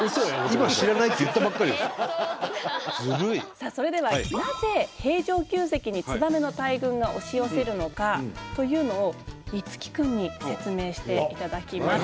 さあそれではなぜ平城宮跡にツバメの大群が押し寄せるのかというのを樹くんに説明していただきます。